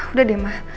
udah deh ma